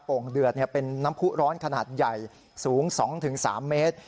่งเดือดเป็นน้ำผู้ร้อนขนาดใหญ่สูง๒๓เมตร